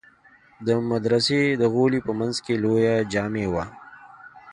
د مدرسې د غولي په منځ کښې لويه جامع وه.